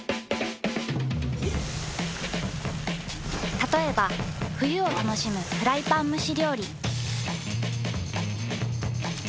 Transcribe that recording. たとえば冬を楽しむフライパン蒸し料理。